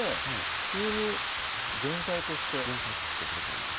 普通に前菜として前菜としてできると思います